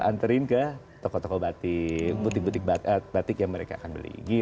anterin ke toko toko batik butik butik batik yang mereka akan beli